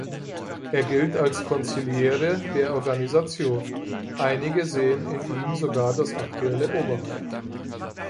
Er gilt als Consigliere der Organisation, Einige sehen in ihm sogar das aktuelle Oberhaupt.